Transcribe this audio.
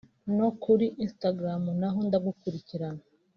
no kuri Instagram naho ndagukurikira